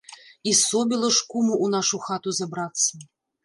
І собіла ж куму ў нашу хату забрацца?